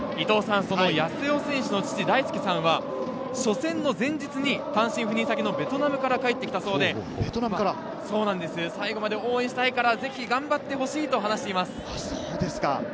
八瀬尾選手の父・だいすけさんは、初戦の前日に単身赴任先のベトナムから帰ってきたそうで、最後まで応援したいからぜひ頑張ってほしいと話しています。